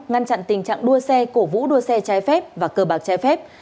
ngăn chặn tình trạng đua xe cổ vũ đua xe trái phép và cờ bạc trái phép